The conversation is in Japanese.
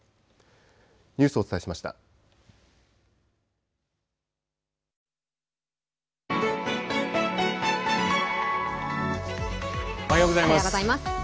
おはようございます。